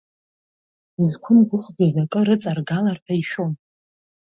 Изқәымгәыӷӡоз акы рыҵаргалар ҳәа ишәон.